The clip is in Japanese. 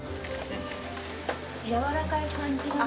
やわらかい感じだね。